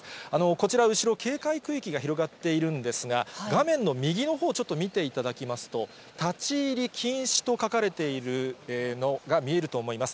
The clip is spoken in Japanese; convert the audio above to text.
こちら後ろ、警戒区域が広がっているんですが、画面の右のほう、ちょっと見ていただきますと、立ち入り禁止と書かれているのが見えると思います。